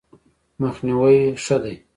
مخنیوی ښه دی.